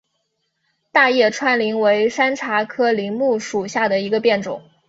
大叶川柃为山茶科柃木属下的一个变种。